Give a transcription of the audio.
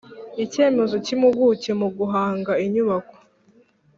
icyemezo cy impuguke mu guhanga inyubako